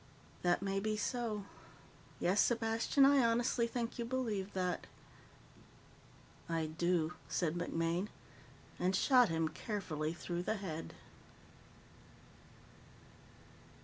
"That may be so. Yes, Sepastian, I honestly think you believe that." "I do," said MacMaine, and shot him carefully through the head.